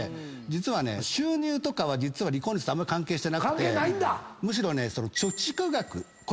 実はね収入とかは離婚率とあんまり関係してなくてむしろ。